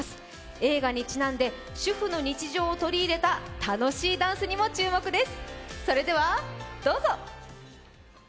映画に、ちなんで、主婦の日常を取り入れた楽しいダンスにも注目です。